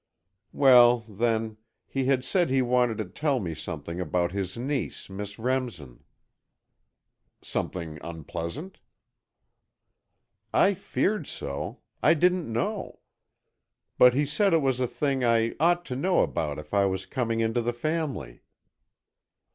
"Well, then, he had said he wanted to tell me something about his niece, Miss Remsen." "Something unpleasant?" "I feared so. I didn't know. But he said it was a thing I ought to know about if I was coming into the family."